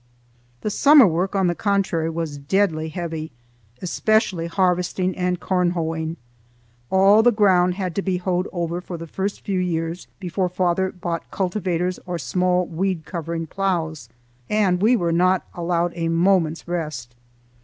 The summer work, on the contrary, was deadly heavy, especially harvesting and corn hoeing. All the ground had to be hoed over for the first few years, before father bought cultivators or small weed covering ploughs, and we were not allowed a moment's rest.